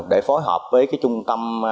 để phối hợp với cái trung tâm